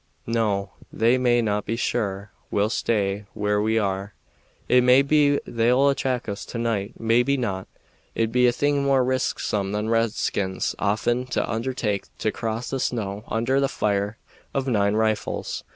No, they may be sure we'll stay where we are. It may be they'll attack us to night, maybe not. It'd be a thing more risksome than redskins often undertake to cross the snow under the fire of nine rifles.